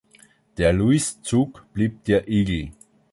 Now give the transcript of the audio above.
Der Louis-Zug blieb der „Eagle“.